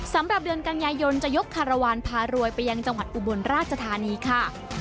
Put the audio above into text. สำหรับเดือนกันยายนจะยกคารวาลพารวยไปยังจังหวัดอุบลราชธานีค่ะ